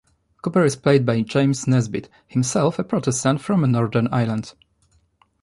Cooper is played by James Nesbitt, himself a Protestant from Northern Ireland.